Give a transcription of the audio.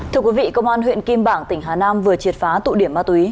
thưa quý vị công an huyện kim bảng tỉnh hà nam vừa triệt phá tụ điểm ma túy